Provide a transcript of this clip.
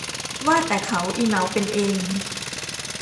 ว่าแต่เขาอิเหนาเป็นเอง